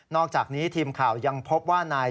อกจากนี้ทีมข่าวยังพบว่านาย